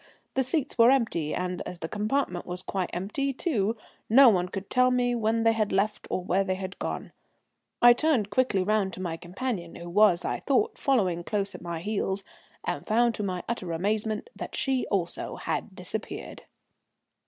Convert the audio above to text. The seats were empty, and as the compartment was quite empty, too, no one could tell me when they had left or where they had gone. I turned quickly round to my companion, who was, I thought, following close at my heels, and found to my utter amazement that she also had disappeared.